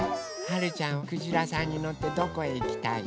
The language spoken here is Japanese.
はるちゃんはくじらさんにのってどこへいきたい？